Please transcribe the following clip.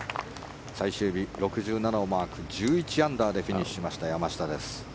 最終日、６７をマーク１１アンダーでフィニッシュしました山下です。